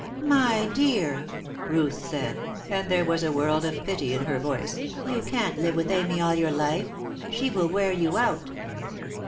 "My dear," Ruth said, and there was a world of pity in her voice, "you can't live with Amy all your life she will wear you out!"